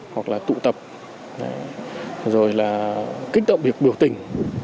hoặc là tụ tập rồi là kích động việc biểu tình